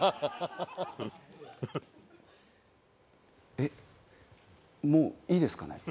えっもういいですかね？